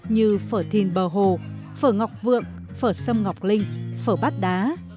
như phở thìn bờ hồ phở ngọc vượng phở sâm ngọc linh phở bát đá